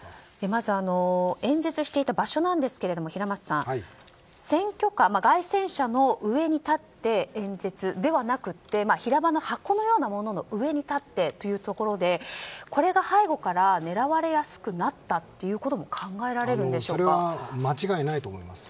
まず、演説していた場所なんですけども平松さん、街宣車の上に立って演説ではなくて平場の箱のようなものに立ってというところで、これが背後から狙われやすくなったということもそれは間違いないと思います。